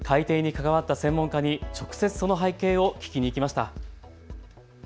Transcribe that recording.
改定に関わった専門家に直接その背景を聞きに来ました。